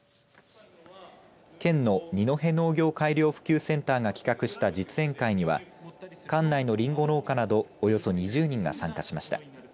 県の二戸農業改良普及センターが企画した実演会には県内のりんご農家などおよそ２０人が参加しました。